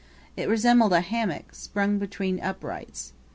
It resembled a hammock swung between uprights.